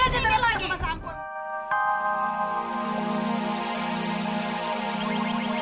dia ingin kenapa seribu